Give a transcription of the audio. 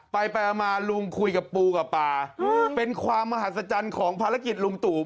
ไปไปมาลุงคุยกับปูกับป่าเป็นความมหัศจรรย์ของภารกิจลุงตู่